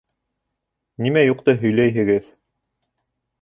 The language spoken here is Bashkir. Нимә юҡты һөйләйһегеҙ?